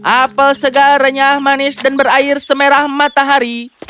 apel segar renyah manis dan berair semerah matahari